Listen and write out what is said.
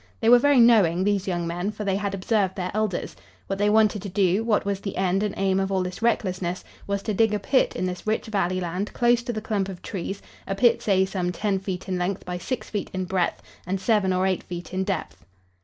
They were very knowing, these young men, for they had observed their elders. What they wanted to do, what was the end and aim of all this recklessness, was to dig a pit in this rich valley land close to the clump of trees, a pit say some ten feet in length by six feet in breadth and seven or eight feet in depth.